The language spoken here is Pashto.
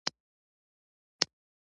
بلکې د بې رحمه چانس تر اغېز لاندې وي.